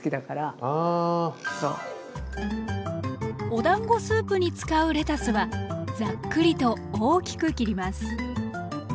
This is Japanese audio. おだんごスープに使うレタスはざっくりと大きく切ります。